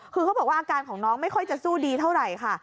คือเขาบอกว่าอาการของน้องไม่ค่อยจะสู้ดีเท่าไหร่ค่ะ